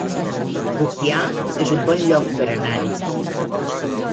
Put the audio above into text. Rupià es un bon lloc per anar-hi